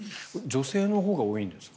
女性のほうが多いんですか？